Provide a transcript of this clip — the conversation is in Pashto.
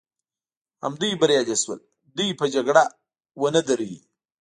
همدوی بریالي شول، دوی به جګړه ونه دروي.